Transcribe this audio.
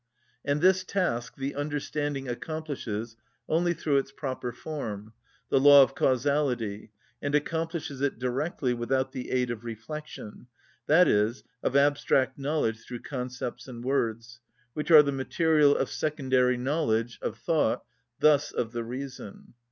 And this task the understanding accomplishes only through its proper form, the law of causality, and accomplishes it directly without the aid of reflection, that is, of abstract knowledge through concepts and words, which are the material of secondary knowledge, of thought, thus of the Reason."